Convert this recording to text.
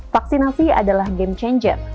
vaksinasi adalah game changer